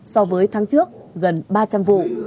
so với tháng trước gần ba trăm linh vụ